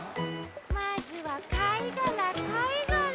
まずはかいがらかいがら。